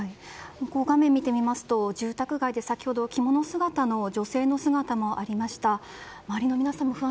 画面見てみますと住宅街で先ほど着物姿の女性の姿もありました。